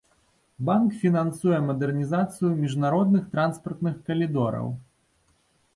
Банк фінансуе мадэрнізацыю міжнародных транспартных калідораў.